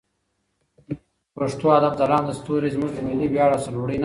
د پښتو ادب ځلانده ستوري زموږ د ملي ویاړ او سرلوړي نښه ده.